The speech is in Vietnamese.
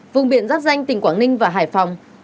vùng biển giáp danh tỉnh quảng ninh và hải phòng